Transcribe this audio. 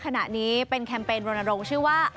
ขนาดนี้เป็นแคมเปญโรนโรงชื่อว่า